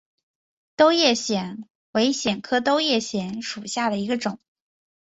兜叶藓为带藓科兜叶藓属下的一个种。